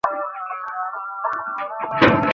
তিনি তার দিনপঞ্জী বা ডায়রীতে উল্লেখ করেছেন -